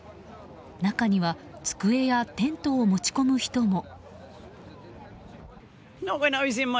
中には机やテントを持ち込む人も。